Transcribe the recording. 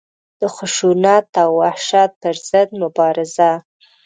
د خشونت او وحشت پر ضد مبارزه.